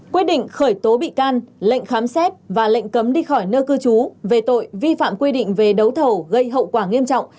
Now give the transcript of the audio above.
quyết định khởi tố bị can lệnh khám xét và lệnh cấm đi khỏi nơi cư trú về tội vi phạm quy định về đấu thầu gây hậu quả nghiêm trọng